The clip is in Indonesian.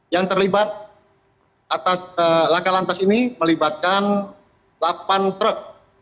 yang terlibat atas lakalantas ini melibatkan delapan truk